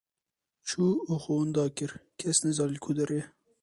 Çû û xwe wenda kir, kes nizane li ku derê ye.